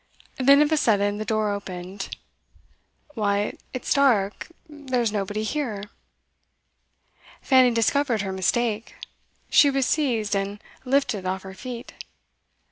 Then of a sudden the door opened. 'Why, it's dark, there's nobody here.' Fanny discovered her mistake. She was seized and lifted off her feet.